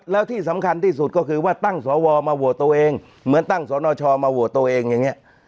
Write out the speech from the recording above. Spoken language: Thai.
แล้วที่สำคัญที่สุดก็คือว่าตั้งสวมาโหวตตัวเองเหมือนตั้งสนชมาโหวตตัวเองอย่างนี้